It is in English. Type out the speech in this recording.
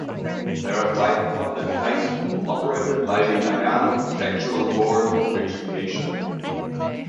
There are five public high school operated by the Nagano Prefectural Board of Education.